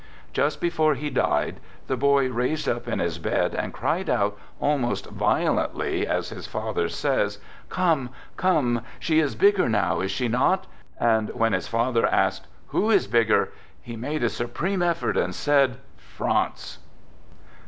Just before he died, the boy raised up in his bed and cried out, almost violently, as his father says, " Come, come! She is bigger now, is she not? " And when his father asked " Who is bigger," he made a su preme effort, and said " France!